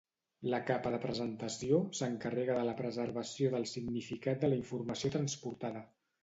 La capa de presentació s'encarrega de la preservació del significat de la informació transportada.